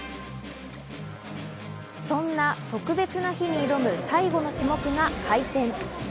そんな特別な日に挑む最後の種目が回転。